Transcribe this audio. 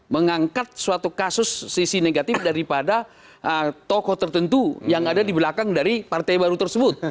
mengangkat suatu kasus sisi negatif daripada tokoh tertentu yang ada di belakang dari partai baru tersebut